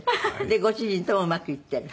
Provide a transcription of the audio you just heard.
でご主人ともうまくいってる？